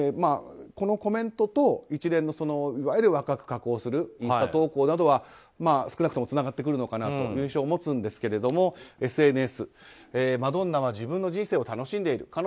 このコメントと一連の、いわゆる若く加工するインスタ投稿などは少なくともつながってくるのかなと印象を持つんですけれどもＳＮＳ、マドンナは自分の人生を楽しんでいる。